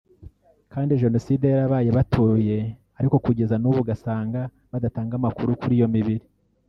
kandi Jenoside yarabaye batuye ariko kugeza n’ubu ugasanga badatanga amakuru kuri iyo mibiri